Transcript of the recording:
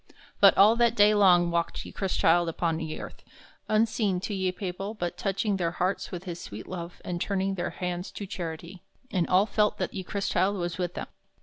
But all that day long walked ye Chrystchilde upon ye earth, unseen to ye people but toching their hartes with his swete love and turning their hands to charity; and all felt that ye Chrystchilde was with them.